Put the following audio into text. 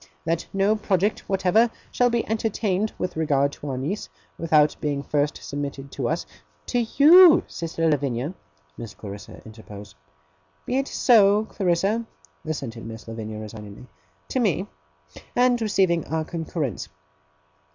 That no project whatever shall be entertained with regard to our niece, without being first submitted to us ' 'To you, sister Lavinia,' Miss Clarissa interposed. 'Be it so, Clarissa!' assented Miss Lavinia resignedly 'to me and receiving our concurrence.